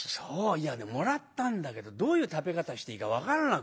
いやねもらったんだけどどういう食べ方していいか分からなくてね。